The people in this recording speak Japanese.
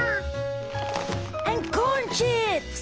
コーンチップス。